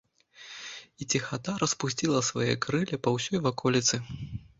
І ціхата распусціла свае крыллі па ўсёй ваколіцы.